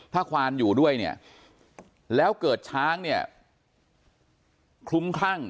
ถ้าควานอยู่ด้วยแล้วเกิดช้างคลุ้มครั่ง